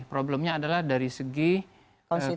problemnya adalah dari segi konstitusi